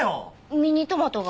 ミニトマトが？